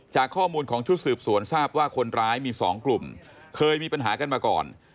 จากข้อมูลของชุดสืบสวนทราบว่าคนร้ายมี๒กลุ่มเคยมีปัญหากันมาก่อน